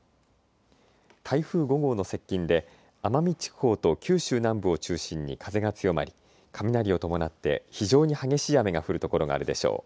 台風５号の接近で奄美地方と九州南部を中心に風が強まり雷を伴って非常に激しい雨が降る所があるでしょう。